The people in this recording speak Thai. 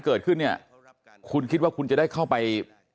เกิดขึ้นเนี่ยคุณคิดว่าคุณจะได้เข้าไป